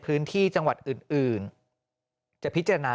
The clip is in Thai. กรุงเทพฯมหานครทำไปแล้วนะครับ